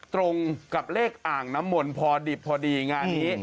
ตรงกับเลขอ่างน้ำมนต์พอดิบพอดีงานนี้